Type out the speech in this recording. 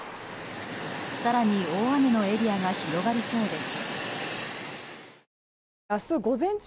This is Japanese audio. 更に、大雨のエリアが広がりそうです。